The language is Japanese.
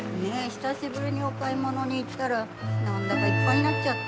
久しぶりにお買い物に行ったらなんだかいっぱいになっちゃって。